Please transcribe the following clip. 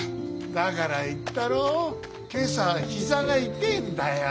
だから言ったろう今朝は膝が痛えんだよ。